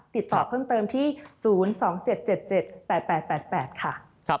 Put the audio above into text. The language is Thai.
ติดต่อเพิ่มเติมที่๐๒๗๗๘๘ค่ะ